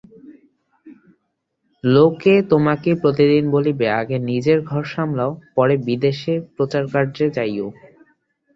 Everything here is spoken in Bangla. লোকে তোমাকে প্রতিদিন বলিবে, আগে নিজের ঘর সামলাও, পরে বিদেশে প্রচারকার্যে যাইও।